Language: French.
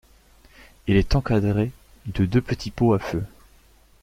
Il est encadré de deux petits pots à feu.